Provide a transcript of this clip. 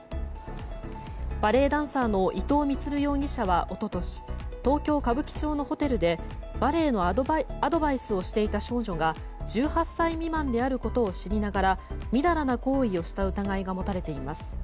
バレエダンサーの伊藤充容疑者は一昨年東京・歌舞伎町のホテルでバレエのアドバイスをしていた少女が１８歳未満であることを知りながらみだらな行為をした疑いが持たれています。